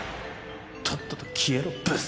とっとと消えろブス！